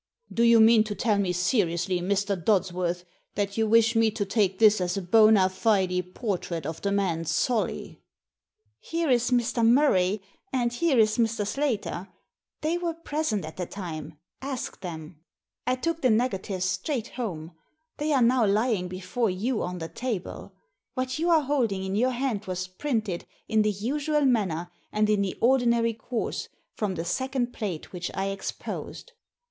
" Do you mean to tell me seriously, Mr. Dodsworth, that you wish me to take this as a bona fide portrait of the man Solly? " Here is Mr. Murray, and here is Mr. Slater : they were present at the time — ask them ! I took the negatives straight home ; they are now lying before you on the table. What you are holding in your hand was printed, in the usual manner and in the ordinary course, from the second plate which I exposed."